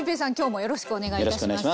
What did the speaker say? よろしくお願いします。